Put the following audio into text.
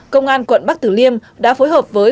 công an quận bắc tử liêm đã phối hợp với